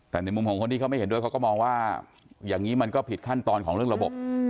แต่ในมุมของคนที่เขาไม่เห็นด้วยเขาก็มองว่าอย่างนี้มันก็ผิดขั้นตอนของเรื่องระบบ